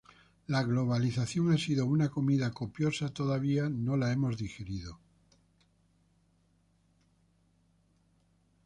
La globalización ha sido una comida copiosa todavía no la hemos digerido